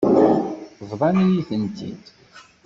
Bḍan-iyi-tent-id.